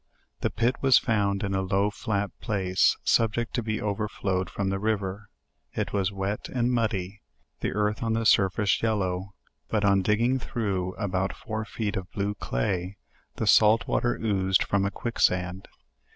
The pit was found in a low flat place, subject to be overflowed from the river; it was wet and muddy, the earth on the surface yellow, but on digging through about four feet of blue clay, the salt water oozed from a quicksand.